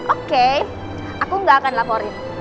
oke aku gak akan laporin